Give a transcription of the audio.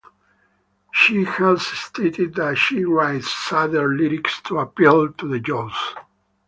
She has stated that she writes "sadder lyrics to appeal to the youth".